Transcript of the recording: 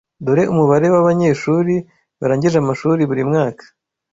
Dore umubare wabanyeshuri barangije amashuri buri mwaka